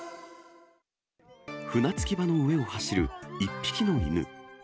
船着き場の上を走る１匹の犬。